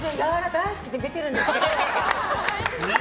大好きで見てるんですけど。